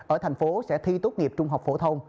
ở thành phố sẽ thi tốt nghiệp trung học phổ thông